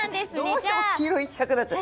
どうしても黄色いきたくなっちゃう。